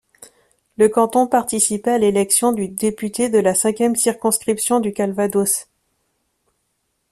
Le canton participait à l'élection du député de la cinquième circonscription du Calvados.